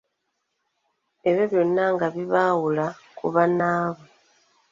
Ebyo byonna nga bibaawula ku bannaabwe.